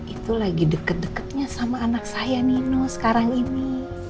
itu lagi deket deketnya sama anak saya nino sekarang ini